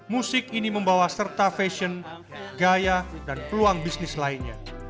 musik ini membawa serta fashion gaya dan peluang bisnis lainnya